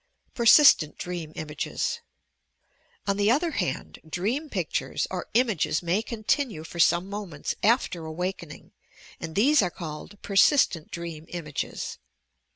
FERSISTENT DREAH WAGES On the other hand, dream pictures or images may continue for some moments after awakening, and these are called "persistent dream images."